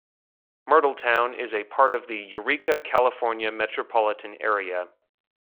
Myrtletown is a part of the Eureka, California metropolitan area.